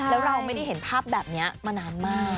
แล้วเราไม่ได้เห็นภาพแบบนี้มานานมาก